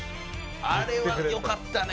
あれはよかったね。